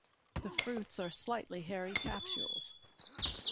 The fruits are slightly hairy capsules.